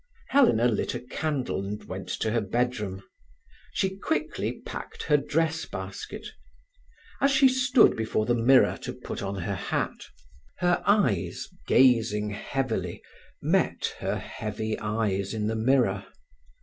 Helena lit a candle and went to her bedroom. She quickly packed her dress basket. As she stood before the mirror to put on her hat, her eyes, gazing heavily, met her heavy eyes in the mirror.